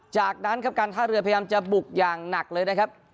จากนั้นครับการท่าเรือพยายามจะบุกอย่างหนักเลยนะครับ